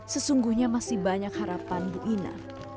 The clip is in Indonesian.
sesungguhnya masih banyak harapan bu ina